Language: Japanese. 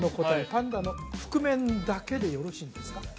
パンダの覆面だけでよろしいんですか？